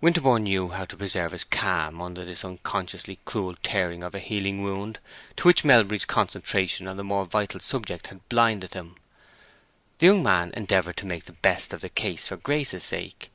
Winterborne knew how to preserve his calm under this unconsciously cruel tearing of a healing wound to which Melbury's concentration on the more vital subject had blinded him. The young man endeavored to make the best of the case for Grace's sake.